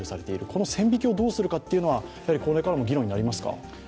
この線引きをどうするかというのは、これからも議論になりますか。